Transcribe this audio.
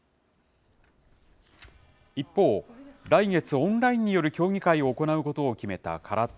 一方、来月オンラインによる競技会を行うことを決めた空手。